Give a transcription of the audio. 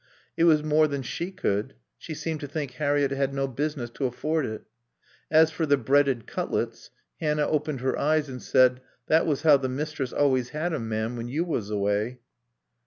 It was more than she could; she seemed to think Harriett had no business to afford it. As for the breaded cutlets, Hannah opened her eyes and said, "That was how the mistress always had them, ma'am, when you was away."